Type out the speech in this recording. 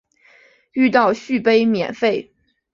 遇到续杯免费